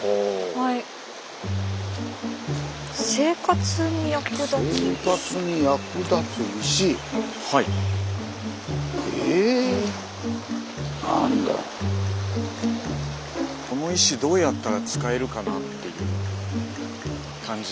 この石どうやったら使えるかなっていう感じだと思います。